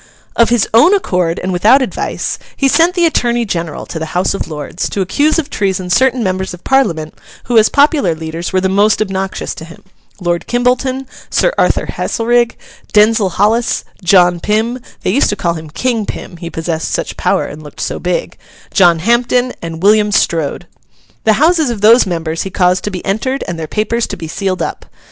Of his own accord and without advice, he sent the Attorney General to the House of Lords, to accuse of treason certain members of Parliament who as popular leaders were the most obnoxious to him; Lord Kimbolton, Sir Arthur Haselrig, Denzil Hollis, John Pym (they used to call him King Pym, he possessed such power and looked so big), John Hampden, and William Strode. The houses of those members he caused to be entered, and their papers to be sealed up.